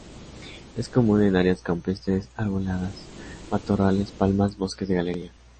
Es común en áreas campestres arboladas, matorrales, palmas, bosques de galería.